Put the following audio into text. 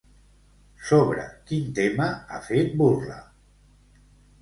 Sobre quin tema ha fet burla?